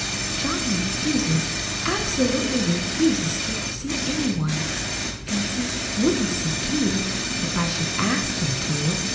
John refuses, absolutely refuses, to see any one; an' he wouldn't see Keith, if I should ASK him to.